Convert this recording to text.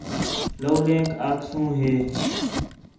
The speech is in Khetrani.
لولینک آکھسوں ہِے